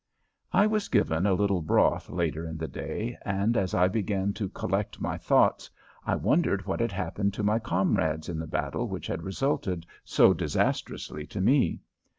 I was given a little broth later in the day, and as I began to collect my thoughts I wondered what had happened to my comrades in the battle which had resulted so disastrously to me.